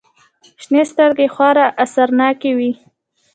شنې سترگې يې خورا اثرناکې وې.